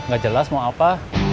gak jelas mau apa